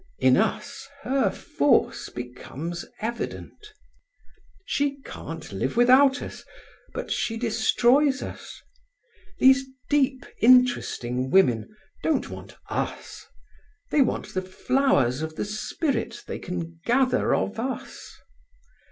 In us her force becomes evident. "She can't live without us, but she destroys us. These deep, interesting women don't want us; they want the flowers of the spirit they can gather of us.